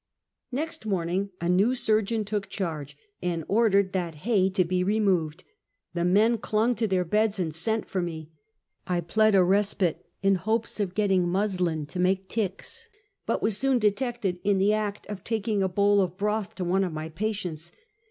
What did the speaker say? !N"ext morning a new surgeon took charge, and or dered that hay to be removed. The men clung to their beds and sent for me ; I plead a respite, in hopes of getting muslin to make ticks; but was soon detected in the act of taking a bowl of broth to one of my pa tients.